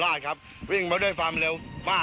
มีความรู้สึกว่ามีความรู้สึกว่า